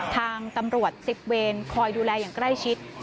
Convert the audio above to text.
ทางตำรวจ๑๐เวรคอยดูแลอย่างใกล้ชิด